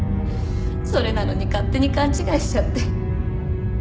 それなのに勝手に勘違いしちゃって。